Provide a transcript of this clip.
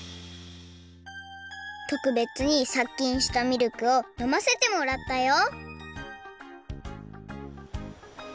とくべつに殺菌したミルクをのませてもらったよ